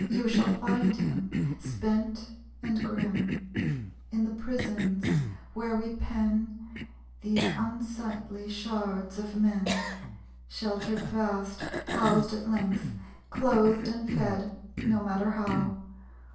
You shall find him, spent and grim; In the prisons, where we pen These unsightly shards of men. Sheltered fast; Housed at length; Clothed and fed, no matter how!